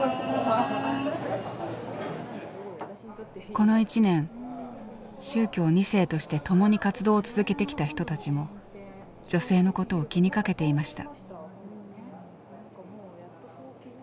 この１年宗教２世として共に活動を続けてきた人たちも女性のことを気にかけていました。